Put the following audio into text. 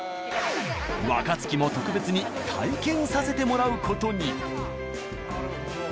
若槻も特別に体験させてもらう事に。